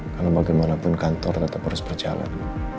karena bagaimanapun kantor tetap harus berjalan